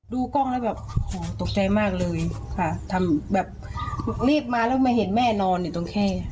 กล้องแล้วแบบโหตกใจมากเลยค่ะทำแบบรีบมาแล้วมาเห็นแม่นอนอยู่ตรงแค่